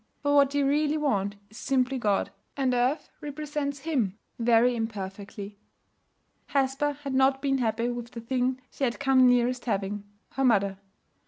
For what they really want is simply God, and earth represents Him very imperfectly. Hesper had not been happy with the thing she had come nearest having her mother.